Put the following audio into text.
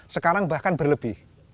sekarang bahkan berlebih